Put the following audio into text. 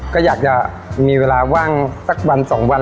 ก็อยากจะมีเวลาว่างสักวันสองวัน